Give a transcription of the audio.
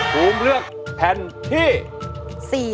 ภูมิเลือกแผ่นที่๔